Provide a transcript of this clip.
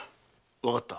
わかった。